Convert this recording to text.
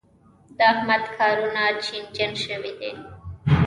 د احمد کارونه چينجن شوي دي.